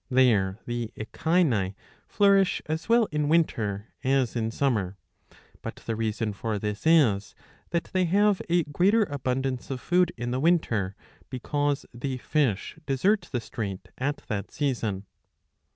There the Echini flourish as well in winter as in summer. But the reason for this is that they have a greater abundance of food in the winter, because the fish desert the strait at that season.